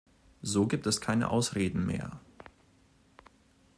So gibt es keine Ausreden mehr.